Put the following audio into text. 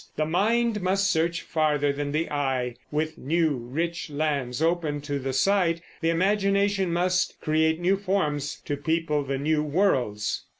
The mind must search farther than the eye; with new, rich lands opened to the sight, the imagination must create new forms to people the new worlds.